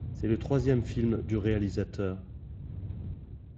C'est le troisième film du réalisateur.